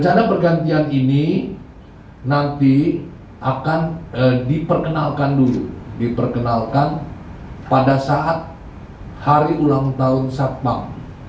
rencana pergantian ini nanti akan diperkenalkan dulu diperkenalkan pada saat hari ulang tahun satpam